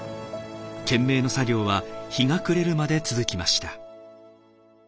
懸命の作業は日が暮れるまで続きました。